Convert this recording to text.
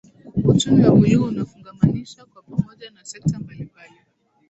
Uchumi wa buluu unafungamanisha kwa pamoja na sekta mbalimbali